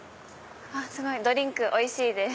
ドリンクおいしいです。